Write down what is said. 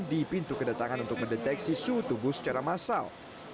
di pintu kedatangan untuk mendeteksi suhu tubuh secara massal